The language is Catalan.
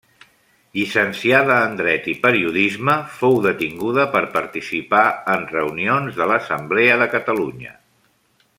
Llicenciada en dret i periodisme, fou detinguda per participar en reunions de l'Assemblea de Catalunya.